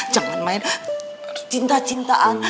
jangan main cinta cintaan